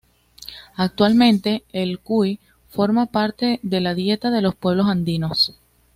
Actualmente el cuy forma parte de la dieta de los pueblos andinos.